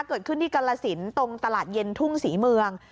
เกิดขึ้นที่กรสินตรงตลาดเย็นทุ่งศรีเมือง